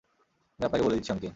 আমি আপনাকে বলে দিচ্ছি, আমি কে।